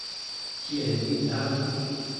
Kiel ni agu?